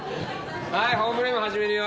はいホームルーム始めるよ。